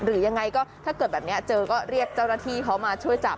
หรือยังไงก็ถ้าเกิดแบบนี้เจอก็เรียกเจ้าหน้าที่เขามาช่วยจับ